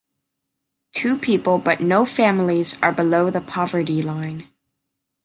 Two people but no families are below the poverty line.